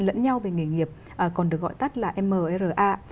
kết nối với nhau về nghề nghiệp còn được gọi tắt là mra